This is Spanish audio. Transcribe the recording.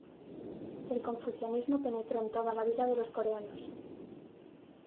El confucianismo penetró en toda la vida de los coreanos.